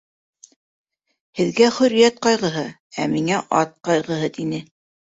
— Һеҙгә хөрриәт ҡайғыһы, ә миңә ат ҡайғыһы, — тине.